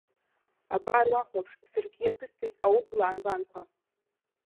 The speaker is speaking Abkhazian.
Абар уахәаԥш, саргьы иаԥысҵеит аублаа нбанқәа!